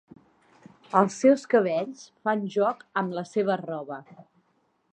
Els seus cabells fan joc amb la seva roba.